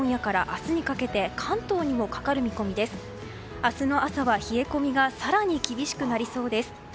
明日の朝は冷え込みが更に厳しくなりそうです。